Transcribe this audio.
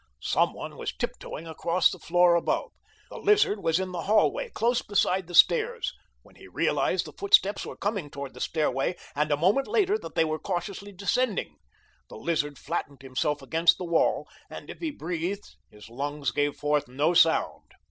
Some one was tiptoeing across the floor above. The Lizard was in the hallway close beside the stairs when he realized the footsteps were coming toward the stairway, and a moment later that they were cautiously descending. The Lizard flattened himself against the wall, and if he breathed his lungs gave forth no sound.